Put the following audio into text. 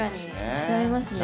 違いますね